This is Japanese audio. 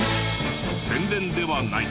「宣伝ではない。